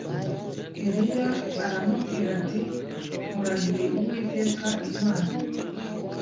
Eliya aramubwira ati Nkurahiye Uwiteka Imana